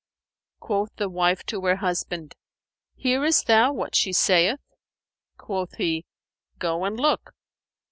Quoth the wife to her husband, "Hearest thou what she saith?" Quoth he, "Go and look."